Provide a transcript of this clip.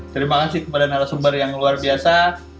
terima kasih kepada narasumber yang luar biasa